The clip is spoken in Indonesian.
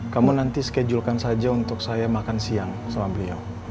kamu nanti schedulekan saja untuk saya makan siang sama beliau